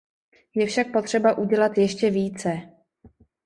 Je však potřeba udělat ještě více.